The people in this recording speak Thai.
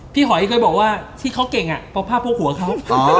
พี่ย็อมไปบอกว่าที่เขาเก่งอ่ะพอผ้าโพลกหัวเขา